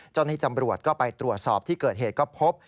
เจ้าหน้าที่ตำรวจก็ไปตรวจสอบที่เกิดเหตุก็พบ